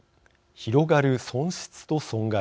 広がる損失と損害。